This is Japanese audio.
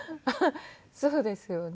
そうですよね。